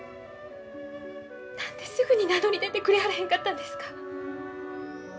何ですぐに名乗り出てくれはらへんかったんですか。